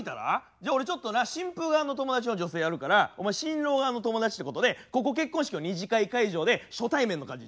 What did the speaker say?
じゃ俺新婦側の友達の女性やるからお前新郎側の友達ってことでここ結婚式の二次会会場で初対面の感じちょっとやってみよう。